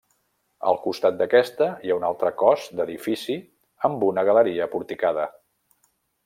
Al costat d'aquesta hi ha un altre cos d'edifici amb una galeria porticada.